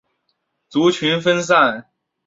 族群分散。